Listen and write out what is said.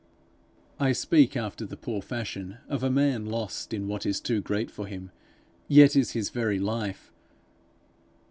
I speak after the poor fashion of a man lost in what is too great for him, yet is his very life.